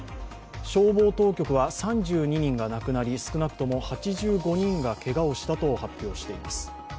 消防当局は３２人が亡くなり、少なくとも８５人がけがをしたとしています。